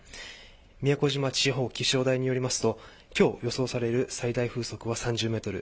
宮古島地方気象台によりますと今日予想される最大風速は３０メートル。